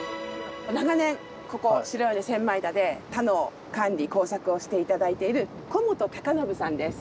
長年ここ白米千枚田で田の管理・耕作をして頂いている小本隆信さんです。